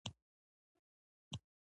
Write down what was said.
استاد د زده کړو جذابیت زیاتوي.